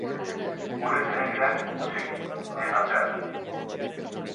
Gure saiakerak huts egin du, eta zer?